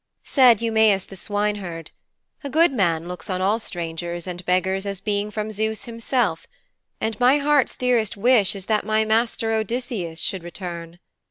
Said Eumæus the swineherd, 'A good man looks on all strangers and beggars as being from Zeus himself. And my heart's dearest wish is that my master Odysseus should return.